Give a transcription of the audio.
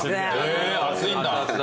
熱いんだ！